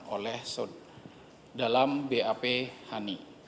oleh dalam bap hani